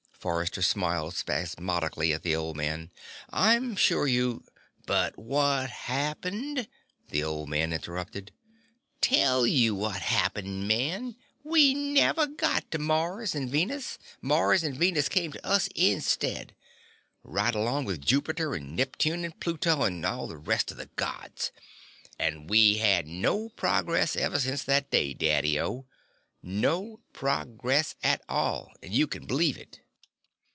Forrester smiled spasmically at the old man. "I'm sure you " "But what happened?" the old man interrupted. "Tell you what happened, man. We never got to Mars and Venus. Mars and Venus came to us instead. Right along with Jupiter and Neptune and Pluto and all the rest of the Gods. And we had no progress ever since that day, Daddy O, no progress at all and you can believe it."